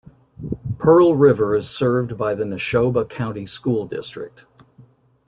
Pearl River is served by the Neshoba County School District.